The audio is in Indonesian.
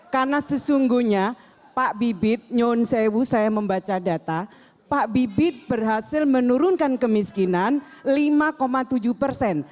karena sesungguhnya pak bibit nyun sewu saya membaca data pak bibit berhasil menurunkan kemiskinan lima tujuh persen